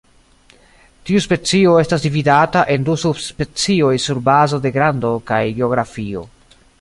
Tiu specio estas dividata en du subspecioj sur bazo de grando kaj geografio.